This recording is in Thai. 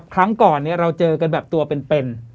ครั้งก่อนเราเจอกันแบบตัวเป็น